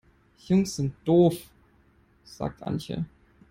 Jungs sind doof, sagt Antje.